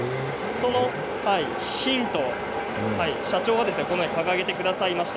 ヒントを社長が掲げてくださいました。